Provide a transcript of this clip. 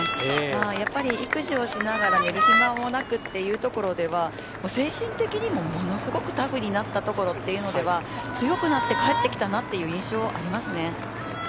やっぱり育児をしながら寝る暇もなくっていうところでは精神的にもものすごくタフになったというところでは強くなって帰ってきたなという印象ありますね。